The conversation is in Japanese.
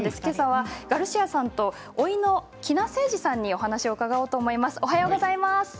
今朝はガルシアさんとおいの喜納誠侍さんにお話を伺おうと思います。